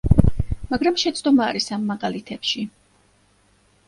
მაგრამ შეცდომა არის ამ მაგალითებში.